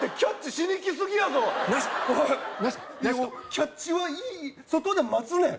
キャッチは外で待つねん